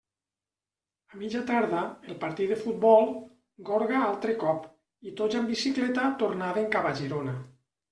A mitja tarda, el partit de futbol, gorga altre cop, i tots amb bicicleta tornaven cap a Girona.